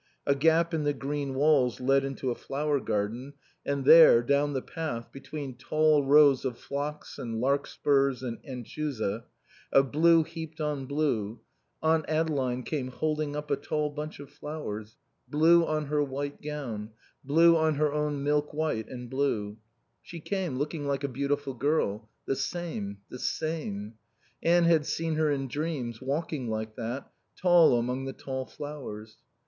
A gap in the green walls led into the flower garden, and there, down the path between tall rows of phlox and larkspurs and anchusa, of blue heaped on blue, Aunt Adeline came holding up a tall bunch of flowers, blue on her white gown, blue on her own milk white and blue. She came, looking like a beautiful girl; the same, the same; Anne had seen her in dreams, walking like that, tall among the tall flowers.